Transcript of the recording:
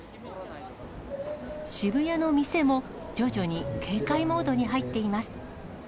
渋谷の店も、徐々に警戒モードに入っています。